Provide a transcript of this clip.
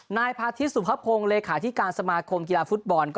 นายพาทิตสุภพงศ์เลขาธิการสมาคมกีฬาฟุตบอล